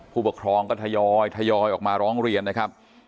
ผู้ปกครองก็ทยอยทยอยออกมาร้องเรียนนะครับ